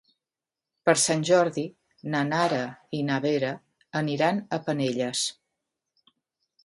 Per Sant Jordi na Nara i na Vera aniran a Penelles.